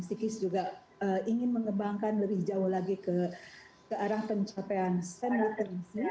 sikid juga ingin mengembangkan lebih jauh lagi ke arah pencapaian stem literasi